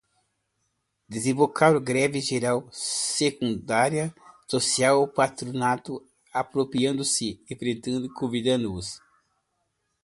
Desembocaram, greve geral, seguridade social, patronato, apropriando-se, enfrentamento, convidando-os